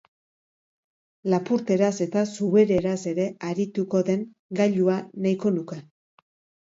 Lapurteraz eta zubereraz ere arituko den gailua nahiko nuke.